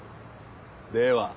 では。